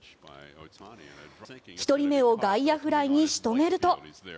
１人目を外野フライに仕留めると。